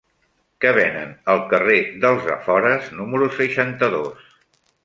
Què venen al carrer dels Afores número seixanta-dos?